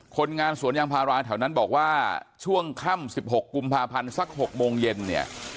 คนงานสวนยางพาราแถวนั้นบอกว่าช่วงค่ำ๑๖กุมภาพันธ์สัก๖โมงเย็นเนี่ย